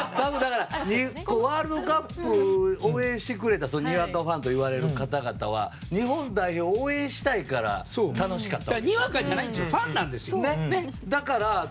ワールドカップを応援してくれたにわかファンといわれる方々は日本代表を応援したいから楽しかった。